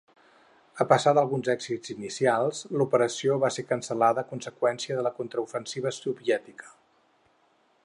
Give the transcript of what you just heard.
A pesar d'alguns èxits inicials, l'operació va ser cancel·lada a conseqüència de la contraofensiva soviètica.